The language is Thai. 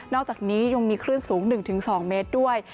อกจากนี้ยังมีคลื่นสูง๑๒เมตรด้วย